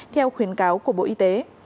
theo khuyến cáo của bộ y tế